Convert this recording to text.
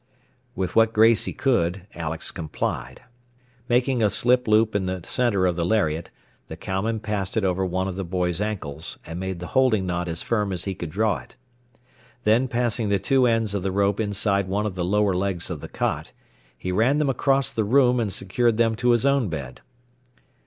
With what grace he could, Alex complied. Making a slip loop in the center of the lariat, the cowman passed it over one of the boy's ankles, and made the holding knot as firm as he could draw it. Then passing the two ends of the rope inside one of the lower legs of the cot, he ran them across the room and secured them to his own bed.